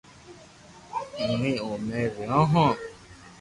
امو او مي رھيو ھون